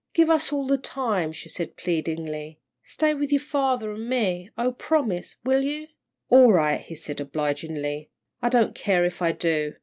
"Give us all the time," she said, pleadingly, "stay with your father an' me. Oh, promise, will you?" "All right," he said, obligingly. "I don't care if I do.